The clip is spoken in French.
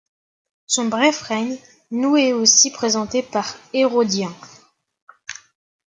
Son bref règne nous est aussi présenté par Hérodien.